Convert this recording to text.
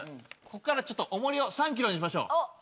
ここからちょっと重りを３キロにしましょう。